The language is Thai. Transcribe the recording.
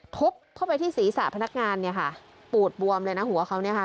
ทุบเข้าไปที่ศีรษะพนักงานเนี่ยค่ะปูดบวมเลยนะหัวเขาเนี่ยค่ะ